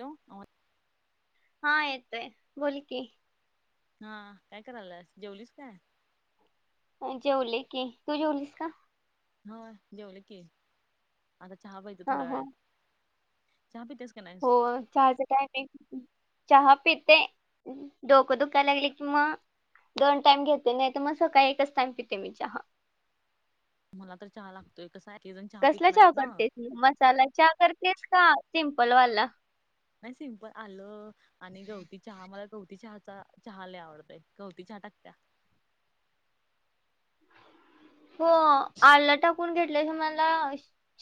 Hello. हा येतोय, बोल की. हा, काय कराल्यास? जेवलीस काय? हो जेवले की, तू जेवलीस का? हो, जेवलं की, आता चहा प्यायचा हा थोड्या हा वेळात, चहा पित्यास हो, चहाच टायमिंग, चहा पिते डोकं दुखायला लागल कि मग दोन टाइम घेते, नाही तर मग सकाळी एकच टाइम पिते मी चहा. मला तर चहा लागत [unintelligible] कसं हाय कसला चहा करतेस? मसाला चहा करतेस? की सिंपल वाला. नाही, सिंपल आलं आणि गवती चहा, मला गवती चहाचा, चहा लई आवडतोय, गवती चहा टाकत्या. हो, आल टाकून घेतल्याशिवाय मला,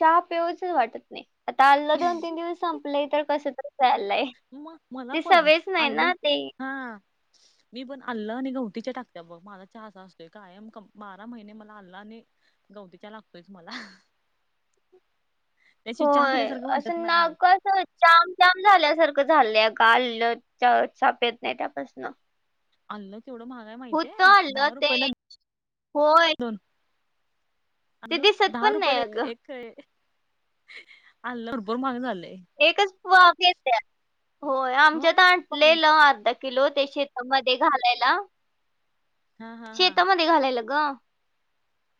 चहा पाऊसच वाटत नाही. आता अल्ल दोन-तीन दिवस संपलंय, तर कसं तर म मला पण, नाही अल्ल ना ते हा मी पण अल्ल आणि गवतीच्या टाकत्या बघ, माझा चहा अस असतोय, कायम बारा महिने मला आलं आणि गवती चहा लागतोयच मला. त्याची चहा होय, पिल्यासारखं वाटत असं नाही नाक मग कसं जाम जाम झाल्यासारखं झालंय आग, काल चहा पेत नाही त्यापसन अल्ल केवढं महाग हाय माहिती हाय? आलं दहा ते रुपयाला होय दोन ते आलं दिसत दहा पण नाही रुपयला एक अगं एक हे, आलं भरपूर महाग झालंय. एकच [unintelligible] होय, आमच्यात होय. पाहू आणलेलं अर्धा किलो किलो ते शेतामध्ये घालायला, हा हा हा शेतामध्ये घालायला ग.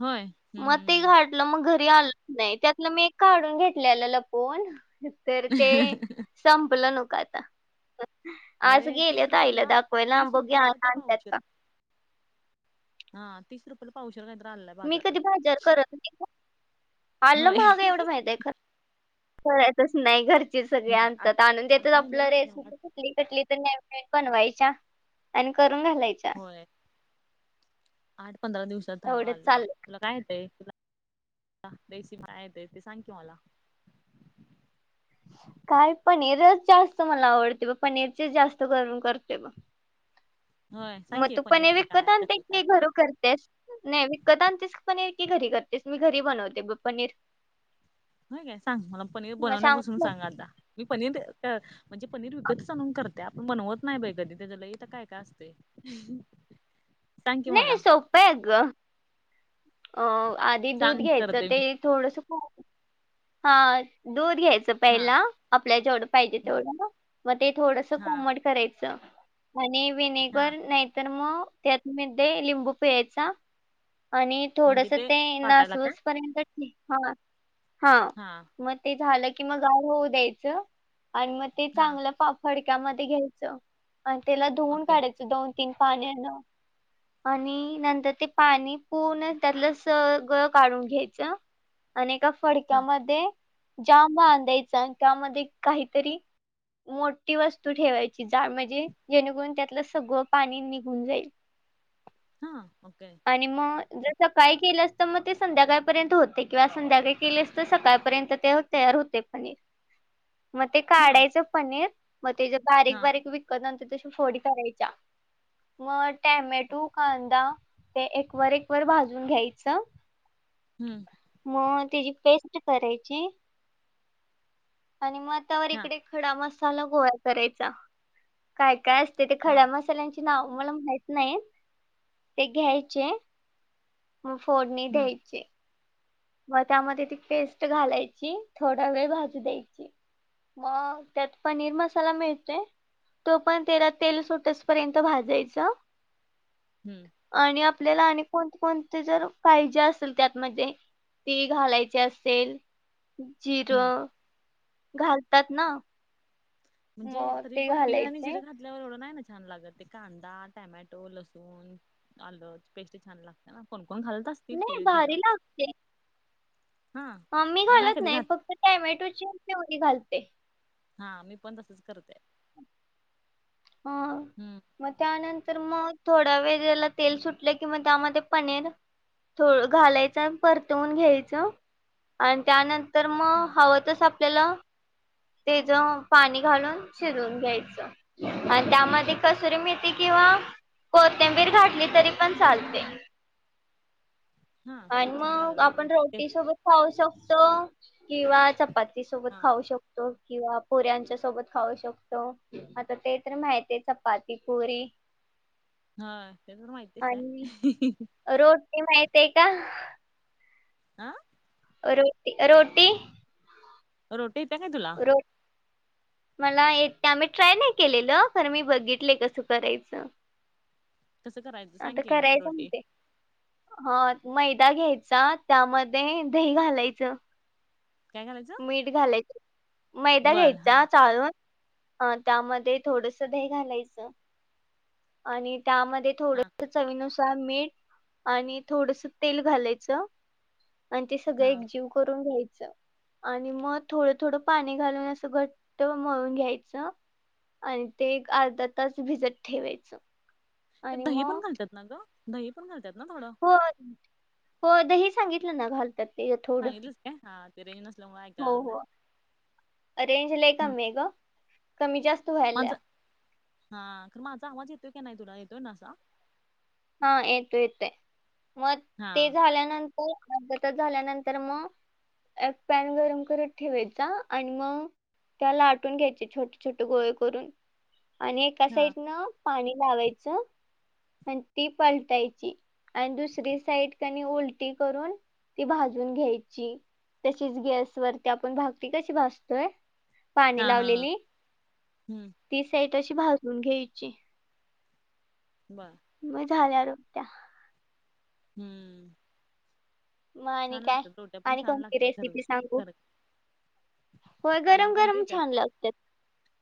होय हम्म म ते, हम्म घा मग घरी आल नाही, त्यातलं मी एक काढून घेतलेलं लपून. तर ते हम्म संपलं नव का आता. आज अरे तीस गेलेत आईला रुपयेला दाखवायला, तीस बघूया रुपयाला आज काहीतरी आणत्यात का. पावशेर हा तीस रुपयला पावशर काहीत अल्ल हाय. मी कधी बाजार करत नाही ग, अल्ल होय महाग हाय एवढ माहिती आहे. करतच नाही, घरची सगळी नाही आणतात, आता आणून देतात, आता आहे आपल् ना रेस कुठली कटली तर [unintelligible] बनवायच्या, आणि करून घालायच्या. होय, आठ पंधरा दिवसात हव एवढंच आलं चाललं तुला काय येतय, तुला [unintelligible] खायाय येतय ते, सांग की मला. काय पनीरच जास्त मला आवडतय बघ, पनीरचीच, जास्त करून करतोय बघ. होय सांग मग की तू पनीर पनीरचं विकत काय आणते, कसं काय की घरू कर तेच, नाही विकत आणतेस पनीर की, घरी करतेस, मी घरी बनवते पनीर. होय काय सांग, मला पनीर मग बनवण्यापासून सांगू का? सांग आता मी पनीर म्हणजे [unintelligible] पनीर विकतच आणून करत्या, पण बनवत नाही बाई कधी, त्याच लइ काय काय असतंय. [unintelligible] [inaudible] नाही सोप आहे अगं. अ आधी दूध सांग घ्यायचं, करते मी ते थोडस, हा दूध घ्यायच हा पहिला, आपल्याला जेवढं पाहिजे बर तेवढं, मग ते थोडस हा कोमट करायचं आणि हा विनेगर नाही तर मग त्यात म लिंबू पिळायचा, आणि म्हणजे थोडस ते पाटाला काय नासवूस पर्यंत, हा हा. हां मग ते झालं की, मग गार होऊ द्यायचं, आणि मग ते हा चांगलं पाप फडक्यामध्ये घ्यायचं, आणि त्याला धुवून ओके काढायचं दोन तीन पाण्यान आणि नंतर ते पाणी, पूर्ण त्यातलं सगळं काढून घ्यायचं आणि एका हा फडक्यामध्ये ज्या बांधायचा त्यामध्ये काहीतरी मोठी वस्तू ठेवायची. जाळ म्हणजे जेणेकरून त्यातलं सगळं पाणी निघून जाईल. हा ओके. आणि मग जसं काळी केलं असत मग ते संध्याकाळपर्यंत होते किंवा संध्याकाळी केले अस. सकाळपर्यंत ते तयार होते पनीर मग ते हा काढायचं पनीर. मग ते ज बारीक हा बारीक विकत नाहींत तशी फोडी करायच्या मग. टॅमॅटो कांदा हे एक ववर एक व भाजून घ्यायच. हम्म. मग तची पेस्ट करायची. आणि मग आतावर हा इकडे खडा मसाला गोवा करायचा. काय काय असते ते हा खड्या मसाल्यांची ना मला माहित नाही ते घ्यायचे. म फोडणी हम्म द्यायची. मग त्यामध्ये ती पेस्ट घालायची थोडा वेळ भाजू द्यायची. मग त्यात पनीर मसाला मिळतोय. तो पण त्याला तेल सुोटसपर्यंत भाजायचा. हम्म. आणि आपल्याला आणि कोणते कोणते जर काळजे असेल त्यातमध्ये ती घालायची असेल हम्म जिरं घालतात ना. म्हणजे मग तरी ते पण पिळ आणि घालायचे जि ज. ल्या एढं नाही ना छान लागत ते कांदा टमॅटो लसूण आलूची पेस्ट छान लागते ना कोण कोोण घालत अस. नाही भारी लागते. हा म मी घालत नाही फक्त टोमॅटो ची प्यवरी घालते. हा मी पण तसच करतेय. हा. हम्म मग त्यानंतर मग थोडा वेळ त्याला तेल सुटलं कि मग त्यामध्ये पनीर थोडं घालायचं आणि परतवून घ्यायचं आणि त्यानंतर तर मग हा हवंतच आपल्याला तेच पाणी घालून शिजवून घ्यायचं. आणि त्यामध्ये कसूरी मिळते किंवा कोतंबीर घाटली तरी पण चालते. हा आणि छान मग लागत ते आपण ते रोटी सोबत खाऊ शकतो किंवा चपाती सोबत हा खाऊ शकतो. किंवा पुऱ्यांच्या सोबत खाऊ शकतो आता ते तर माहिती आहे चपाती पुरी [unintelligible] हा ते तर माहितीच आणि आहे. रोटी माहती आहे का? आा. रोट रोटी रटी त्या काय तुला? हो. मला य आम्ही ट्राय नाही केलेलं कार मी बघितले कसं करायचं. कसं करायचं सांग आता की कराय रोटी जमते. हा मैदा घ्यायचा त्यामध्ये दही घालायचं. काय घालायचं मीठ घालायच मैदा बर घ्यायचा हा चाळून अ त्यामध्ये थोडस दही घालायचं आणि त्यामध्ये हा थोडस. चवीनुसार मीठ आणि थोडस तेल घालायचं. आणि ते सगळ हा एकजीव करून घ्यायचं आणि मग थोडं. थोडं पाणी घालून असं घट्ट मळून घ्यायचं. आणि ते एक अर्धा तास भिजत ठेवायचं. ते आणि दही पण मग घालतात ना ग दही पण घालतात ना थोडं हो हो दही सांगितलं ना घालतात ते थोडं सांगितलच का हा ते रेंज नसल्या मुळ ऐकायला हो आल ना हो रेंज ला कमी आहे ग कमी जास्त व्हायला माझा हा खर माझा आवाज येतोय की नाही तुला येतोय ना हा येतो येतय मग हा ते झाल्यानंतर अर्धा तास झाल्यानंतर मग एक पॅन गरम करत ठेवायचा आणि मग त्या लाटुन घ्यायचे छोटे छोटे गोळे करून आणि एका हा साइडन पाणी लावायचं ती पलटायची आणि दुसरी साइड त्यांनी उलटी करून ती भाजून घ्यायची तशीच गॅस वरती आपण भाकरी कशी भासतोय पाणी हा हा हा लावलेली हम्म ती साइट अशी भाजून घ्यायची बा मग झाल्या र होत्या हम्म मग आणि छान काय लागतात रोट्या पण आणि छान कोणती लागतात घर रेसिपी सांगु घर होय गरम गरम छान लागतात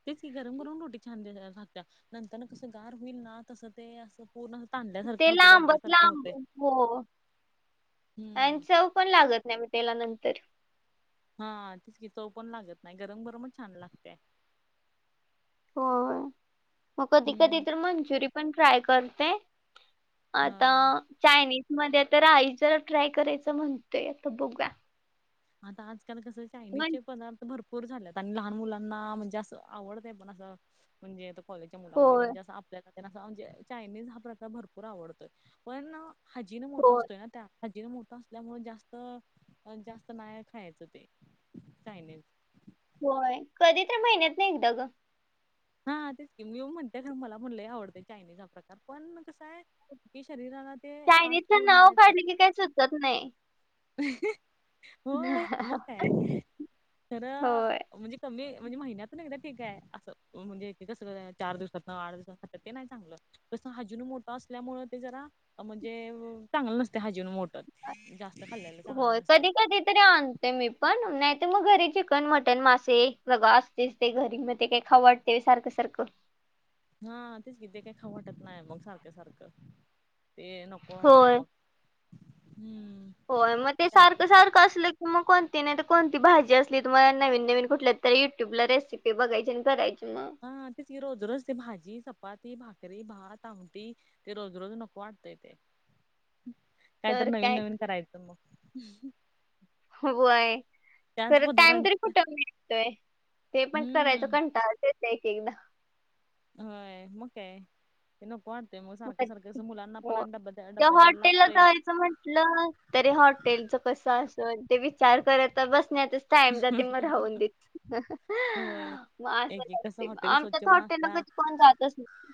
तेची गरम करून रोटी छान लागत नंतर ना कसं गार होईल ना तसं ते असं पूर्ण ते तांदल्यासारखं लाबं होते लांबत रबरासारखं लांब होते. हो आणि हम्म. चव पण लागत नाही मी त्याला नंतर हा तितकी चव पण लागत नाही गरम गरमच छान लागतेय हो मग कधी कधी हम्म. तर मंचुरी पण ट्राय करतेय आता होय. चायनीज मध्ये आता राही ज ट्राय करायचं म्हणतोय आता बघ आता आजकाल कसं चायनीज मग चे पण भरपूर झालेत आणि लहान मुलांना म्हणजे असं आवडतय पण असं म्हणजे कॉलेजच्या मुला मुमुळे होय म्हजे अस म्हणजे चायनीज हा प्रकार भरपूर आवडतोय पण हाजी न मोठा होय असतोय ना खजीन मोठं असल्यामुळे जास्त जात नाही खायचं ते चायनीज होय कधी त्या महिन्यात नेलत ग हा तेच की मी ये म्हणतेय खर मला म्हणलंय आवडते चायनीज हा प्रकार पण कसा आहे ही शरीराला ते फास्ट चायनीजच फूड नाव नाही तर काढलं की काही सुचत नाही होय मग काय खरं होय म्हणजे म म्हणजे महिन्यातुन एकदा ठीक आहे असं म्हणजे कसं चार दिवसात ना आठ दिवसात ते नाही चांगलं तसं हाजीनु मोठं असल्यामुळे ते जरा म्हणजे चांगलं नसते हाजीन मोठत होय कधी कधी तरी आण ते मी पण नाहीत मग घरी चिकन मटन मासे बग असतेच ते घरी मग ते काही खाव वा ते सारखं सारखं हा तेच किे काही खावु वाटत नाही मग सारखं सारखं ते नक कोते होय मग हम्म होय मग ते चायनीज सारखं पण सारखं असलं मग कोणती नाही तर कोणती भाजी असली तुम्हाला नवीन नवीन कुठल्या तर युट्यूब ला रेसि िपे बघाय आणि करायची मग ह त रोज रज ते भाजी चपाती भाकरी भात आमटी ते रोज रोज नको वाटतंय ते [inaudible] काहीत तर नवीन काय नवीन करायचं मग होय आहे त्याच खरं टाइम पदार्थ तरी कुठतोय ते पण करायचं हम्म कंटाळ येत एक एकदा होय मग काय ते नको वाटततेय मग सारख्या कधी- सारख्या मुलांना पण हो आणि डब्या डब्या द्यायला लागतय म्ह तरी हॉटेलच कस असेल ते विचार करत बसण्या टाईम जाते मग राहून देत होय. मग एक एक कसं असंते हॉटेल स्वच्छ आमच्यात पण हॉटेल ला असतात कोण जातच नाही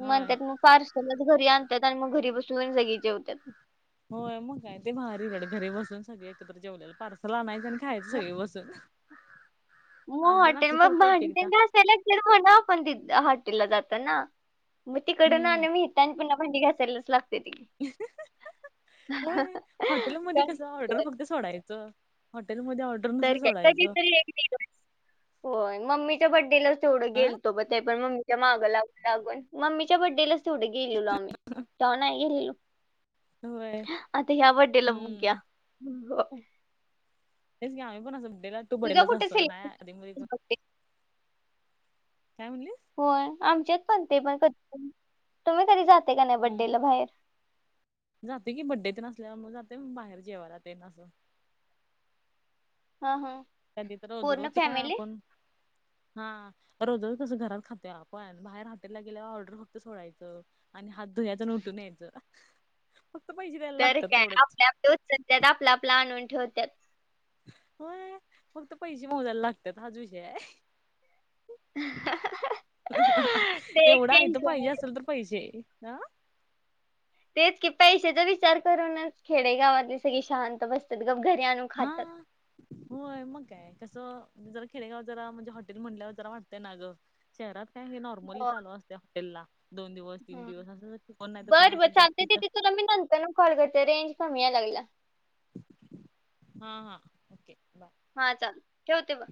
होय मग पार्सलच घरी आणतात आणि मग घरी बसून जागे जेवतात होय मग काय ते बाहेर इकडे घरी बसून सगळे एकत्र जेवलेलं पार्सल आणायचं आणि खायचं सगळी बसून मग आम्ही पण हॉटेल असंच मग करतो एक भांड एकदा त्यांना असायला तिकडे म्हणा आपण त हॉटेला जात ना मग तिकड ना हम्म मी त्यांनी पुन्हा भांडी घासायला लागतंय होय हॉटेलमध्ये कस ऑर्डर तर फक्त सोडायचं हॉटेलमध्येध्ये ऑर्डर तर नुसत काय सोडायचं कधीतरी एक होय मम्मीच्या बड्डेलाच तेवढं हा गेलतो ब ते पण मम्मी च्या माग लागून लागवून मम्मीच्या बड्डेलाच तेवढे गेलेलो आम्ही तेव नाही गेलेलो होय आता ह्या बडेला बगूया हम्म तेच घ आम्हीणं बडेला तू तुझा बडेलाच कुठे असं ना नाही आधी सेलिब्रेशन बर्थडे काय म्हणली होय आमच्यात पण ते पण कधी तुम्ही कधी जाते का नाही बड्डेला बाहेर जाते की बड्डेेत नसल्या मग जाते बाहेर जेवालाात ना असं हा हा कधी तर रोज पूर्ण रोज का फॅमिली आपण हा रोजच तसं घरात खाते आपण बाहेर हातला गेल्यावर ऑर्डर फक्त सोडायचं आणि हात धु्याच उठून या्यायच. फक्त पैशेऽ तर काय,, आपल्या आपल्या उचलत्यात,, आपलं आपलं आणून ठेवतात. होय,, फक्त पैसे मोजायला लागतात,, हाज विषय आहे. ते एक एवढं आयतं टेन्शन पाहिजे असेल तर पैसेे ह,, तेच की पैशाचा विचार करूनच खेडेगावातली सगळी शांत बसतात ग घरी आणनु हा होय मग काय कसं जरा खेडेगाव जरा म्हणजे हॉटेल म्हणल्यावर जरा वाटतंय ना गं शहरात काय हे नॉर्मली हो चालू असते हॉटेलला दोन दिवस तीन हम्म. दिवस अस कोण नाही तर कोण बरं बरं असं चालतंय जास्तीच दीदी तुला मी नंतर कॉल करते रेंज कमी या लागला हा हा ओके बाय हा चाल ठेवते बघ